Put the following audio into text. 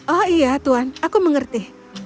oh iya tuan aku mengerti